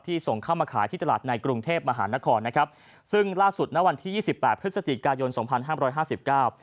ส่งเข้ามาขายที่ตลาดในกรุงเทพมหานครนะครับซึ่งล่าสุดณวันที่ยี่สิบแปดพฤศจิกายนสองพันห้ามร้อยห้าสิบเก้า